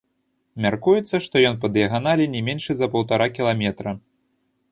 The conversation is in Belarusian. Мяркуецца, што ён па дыяганалі не меншы за паўтара кіламетра.